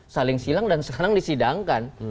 saling silang dan sekarang disidangkan